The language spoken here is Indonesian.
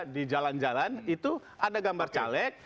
di jalan jalan itu ada gambar caleg